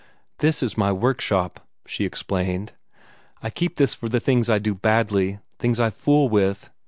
"This is my workshop," she explained. "I keep this for the things I do badly things I fool with.